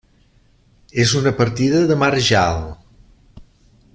És una partida de marjal.